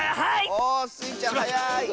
おスイちゃんはやい！